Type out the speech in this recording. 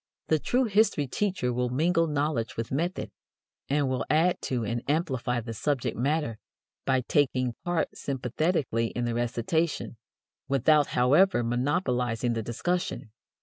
The true history teacher will mingle knowledge with method, and will add to and amplify the subject matter by taking part sympathetically in the recitation, without, however, monopolizing the discussion.